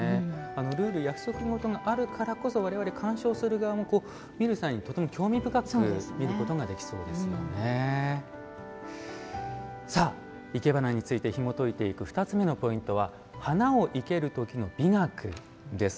約束事があるからこそ観賞する側も、見る際にとても興味深く見ることができそうですよねいけばなの魅力をひもといていく２つ目のポイントは「花を生けるときの美学」です。